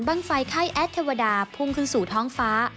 ไฟไข้แอดเทวดาพุ่งขึ้นสู่ท้องฟ้า